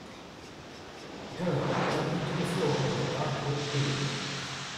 Girl jumping to the floor in a dark lit room.